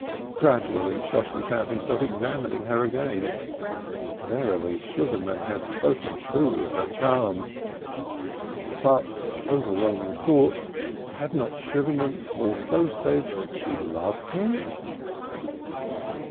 Gradually Shosshi found himself examining her again. Verily Sugarman had spoken truly of her charms. But overwhelming thought had not Sugarman also said she loved him?